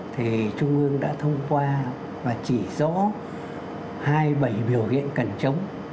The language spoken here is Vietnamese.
thì trung ương đã thông qua và chỉ rõ hai mươi bảy biểu hiện cần chống